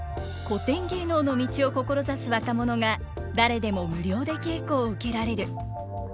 古典芸能の道を志す若者が誰でも無料で稽古を受けられる。